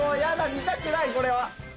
見たくないこれは！